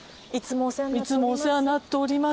いつもお世話になっております。